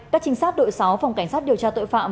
các trinh sát đội sáu phòng cảnh sát điều tra tội phạm